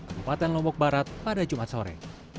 kabupaten lombok barat pada jumat sore